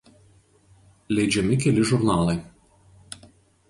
Leidžiami keli žurnalai.